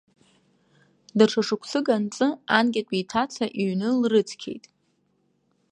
Даҽа шықәсык анҵы, анкьатәи иҭаца иҩны лрыцқьеит.